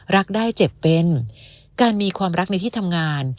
รักได้เจ็บเป็นการมีความรักในที่ทำงาน